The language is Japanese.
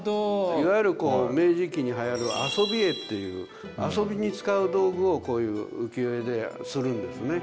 いわゆる明治期にはやるあそび絵っていう遊びに使う道具をこういう浮世絵でするんですね。